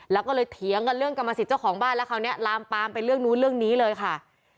แล้วก็เลยเถียงกันเรื่องกรรมสิทธิ์เจ้าของบ้านแล้วคราวนี้ลามปามไปเรื่องนู้นเรื่องนี้เลยค่ะ